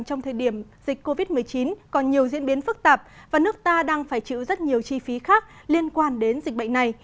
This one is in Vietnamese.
trong thời điểm dịch covid một mươi chín còn nhiều diễn biến phức tạp và nước ta đang phải chịu rất nhiều chi phí khác liên quan đến dịch bệnh này